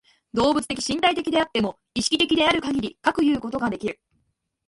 動物的身体的であっても、意識的であるかぎりかくいうことができる。